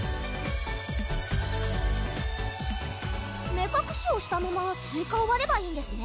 目かくしをしたままスイカをわればいいんですね？